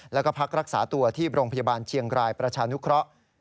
แล้วก็พักรักษาตัวที่โรงพยาบาลเชียงรายประชานุเคราะห์